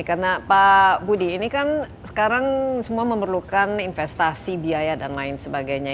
karena pak budi ini kan sekarang semua memerlukan investasi biaya dan lain sebagainya